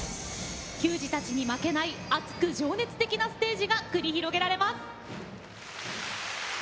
球児たちに負けない熱く情熱的なステージが繰り広げられます。